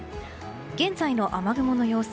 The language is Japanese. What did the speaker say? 現在の雨雲の様子。